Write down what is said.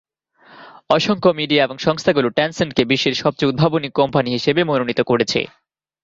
অসংখ্য মিডিয়া এবং সংস্থাগুলো টেন সেন্ট কে বিশ্বের সবচেয়ে উদ্ভাবনী কোম্পানি হিসাবে মনোনীত করেছে।